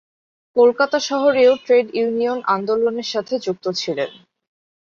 কলকাতা শহরেও trade union আন্দোলনের সাথে যুক্ত ছিলেন।